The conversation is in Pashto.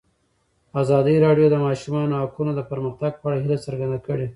ازادي راډیو د د ماشومانو حقونه د پرمختګ په اړه هیله څرګنده کړې.